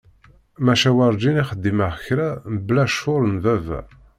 Maca! Werǧin i xdimeɣ kra bla ccur n baba.